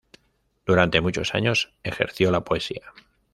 Durante muchos años ejerció la poesía.